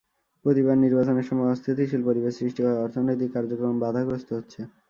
প্রতিবার নির্বাচনের সময় অস্থিতিশীল পরিবেশ সৃষ্টি হওয়ায় অর্থনৈতিক কার্যক্রম বাধাগ্রস্ত হচ্ছে।